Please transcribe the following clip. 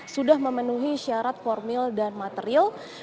sudah memenuhi syarat formil dan material